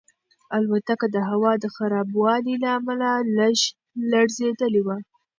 الوتکه د هوا د خرابوالي له امله لږه لړزېدلې وه.